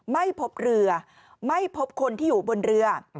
ไม่พบเรือไม่พบคนที่อยู่บนเรือ